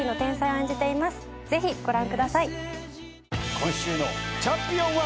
今週のチャンピオンは。